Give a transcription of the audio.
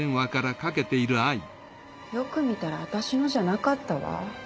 よく見たら私のじゃなかったわ。